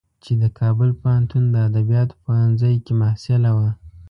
چې د کابل پوهنتون د ادبیاتو پوهنځی کې محصله وه.